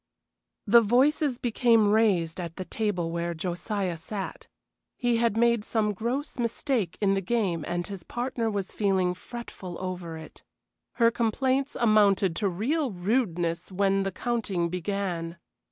The voices became raised at the table where Josiah sat. He had made some gross mistake in the game and his partner was being fretful over it. Her complaints amounted to real rudeness when the counting began.